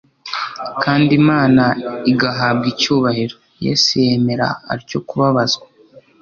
kandi Imana igahabwa icyubahiro. Yesu yemera atyo kubabazwa.